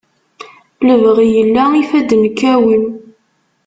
Lebɣi yella, ifadden kkawen.